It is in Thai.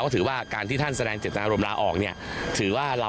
ถือว่าเรารับทราบละ